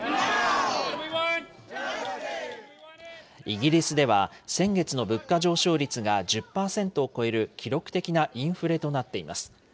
イギリスでは、先月の物価上昇率が１０％を超える記録的なインフレとなっています。